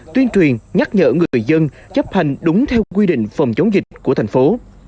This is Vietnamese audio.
tuyên truyền nhắc nhở người dân chấp hành đúng theo quy định phòng chống dịch của thành phố